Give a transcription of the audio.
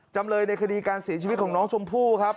จำเลยในคดีการเสียชีวิตของน้องชมพู่ครับ